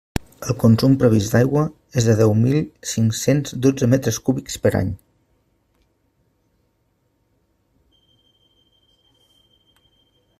El consum previst d'aigua és de deu mil cinc-cents dotze metres cúbics per any.